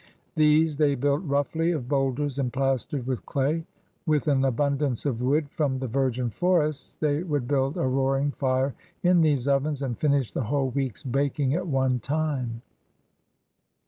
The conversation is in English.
These they built roughly of boulders and plastered with clay. With an abundance of wood from the virgin forests they would build a roaring fire in these ovens and finish the whole week^s baking at one time.